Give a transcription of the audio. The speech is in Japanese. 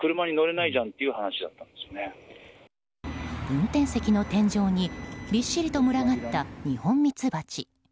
運転席の天井にびっしりと群がったニホンミツバチ。